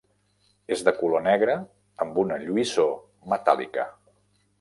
És de color negre amb una lluïssor metàl·lica.